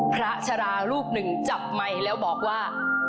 พระชรารูปหนึ่งจับไหมแล้วบอกว่า